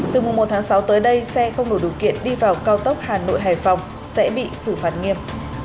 từ mùa một tháng sáu tới đây xe không đủ điều kiện đi vào cao tốc hà nội hải phòng sẽ bị xử phạt nghiêm